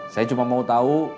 saya cuma mau tau